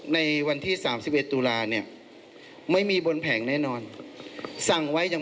ในวันที่๓๑ตุลาเนี่ยไม่มีบนแผงแน่นอนสั่งไว้ยัง